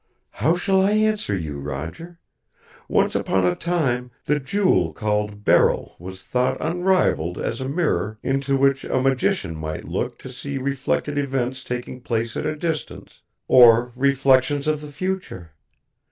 "How shall I answer you, Roger? Once upon a time, the jewel called beryl was thought unrivaled as a mirror into which a magician might look to see reflected events taking place at a distance, or reflections of the future.